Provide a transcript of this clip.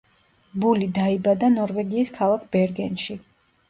ბული დაიბადა ნორვეგიის ქალაქ ბერგენში.